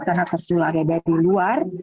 karena kasusnya ada dari luar